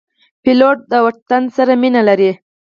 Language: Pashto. پیلوټ د وطن سره مینه لري.